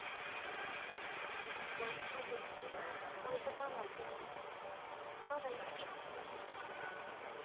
大丈夫ってお医者さんは言ってたけどまだ意識が戻ってないの。